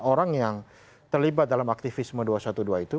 orang yang terlibat dalam aktivisme dua ratus dua belas itu